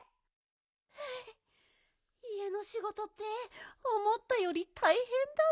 いえのしごとっておもったよりたいへんだな。